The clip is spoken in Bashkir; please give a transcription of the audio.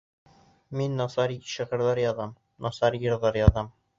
Мин насар шиғырҙар яҙам, насар йырҙар яҙам.